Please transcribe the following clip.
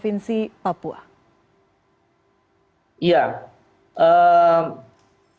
bagaimana kemudian ini berdampak terhadap operasional pemprov papua